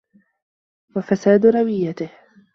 وَفَسَادُ رَوِيَّتِهِ